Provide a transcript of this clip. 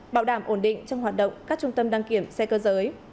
bảo đảm ổn định trong hoạt động các trung tâm đăng kiểm xe cơ giới